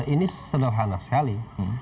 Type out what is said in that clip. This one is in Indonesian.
ini sederhana sekali